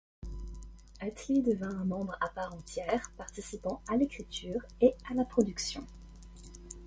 Utley devient un membre à part entière, participant à l'écriture et à la production.